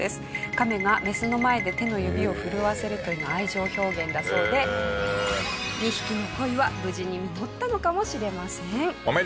カメがメスの前で手の指を震わせるというのは愛情表現だそうで２匹の恋は無事に実ったのかもしれません。